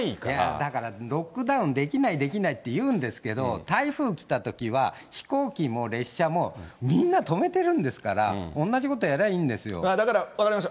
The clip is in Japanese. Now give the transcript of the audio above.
だから、ロックダウンできないできないって言うんですけど、台風来たときは、飛行機も列車もみんな止めてるんですから、同じだから、分かりました。